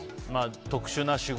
特殊な仕事。